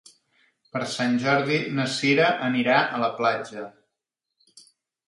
Per Sant Jordi na Sira anirà a la platja.